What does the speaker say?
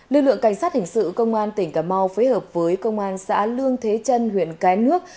lực lượng cảnh sát hình sự công an tỉnh cà mau phối hợp với công an xã lương thế chân huyện cái nước